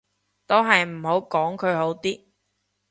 都係唔好講佢好啲